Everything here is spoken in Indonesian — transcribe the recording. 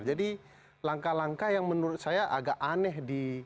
jadi langkah langkah yang menurut saya agak aneh di